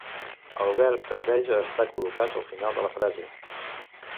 El verb tendeix a estar col·locat al final de la frase.